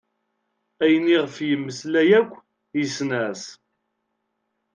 Ayen i ɣef yemmeslay akk, yessen-as.